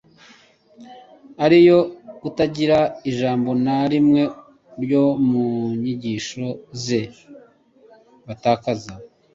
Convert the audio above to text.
ari iyo kutagira ijambo na rimwe ryo mu nyigisho ze batakaza,